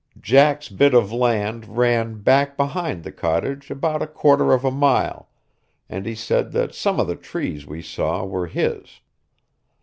Jack's bit of land ran back behind the cottage about a quarter of a mile, and he said that some of the trees we saw were his.